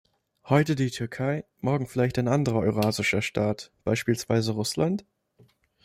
Heute die Türkei, morgen vielleicht ein anderer eurasischer Staat – beispielsweise Russland?